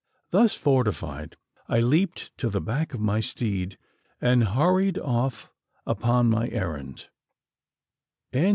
Thus fortified, I leaped to the back of my steed, and hurried off upon my errand.